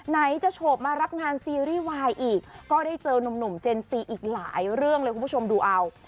ไหนจะโฉบมารับงานซีรีส์วายอีกก็ได้เจอนุ่มเจนซีอีกหลายเรื่องเลยคุณผู้ชมดูเอา